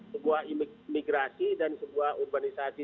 sebuah imigrasi dan sebuah urbanisasi